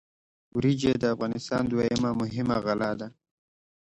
وریجې د افغانستان دویمه مهمه غله ده.